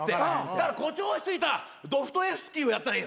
だから誇張し過ぎたドストエフスキーをやったらいいんですよ。